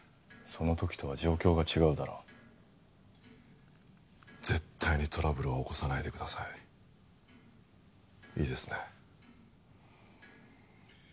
その時とは状況が違うだろ絶対にトラブルは起こさないでくださいいいですね？